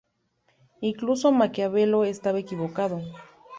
Incluso Maquiavelo estaba equivocado.